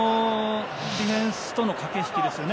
ディフェンスとの駆け引きですよね。